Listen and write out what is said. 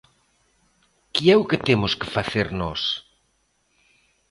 ¿Que é o que temos que facer nós?